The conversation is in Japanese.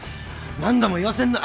何度も言わせんな。